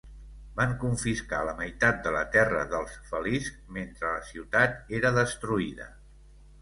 Van confiscar la meitat de la terra dels faliscs mentre la ciutat era destruïda.